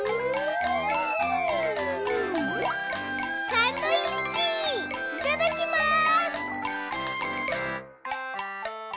サンドイッチいただきます！